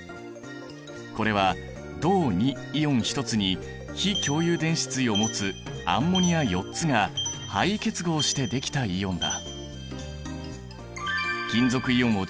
これは銅イオン１つに非共有電子対を持つアンモニア４つが配位結合してできたイオンだ。